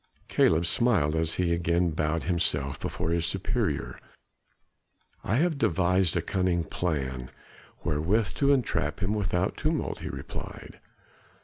Caleb smiled as he again bowed himself before his superior. "I have devised a cunning plan wherewith to entrap him without tumult," he replied.